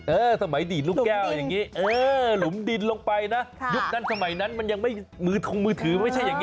สมัยดีดลูกแก้วอย่างนี้เออหลุมดินลงไปนะยุคนั้นสมัยนั้นมันยังไม่มือทงมือถือไม่ใช่อย่างนี้